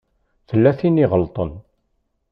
Tella tin i iɣelṭen.